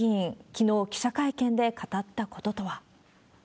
きのう記者会見で語ったこととは。